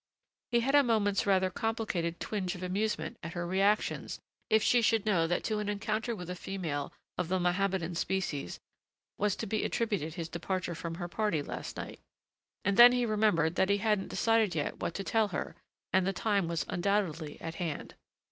He had a moment's rather complicated twinge of amusement at her reactions if she should know that to an encounter with a female of the Mohammedan species was to be attributed his departure from her party last night. And then he remembered that he hadn't decided yet what to tell her and the time was undoubtedly at hand.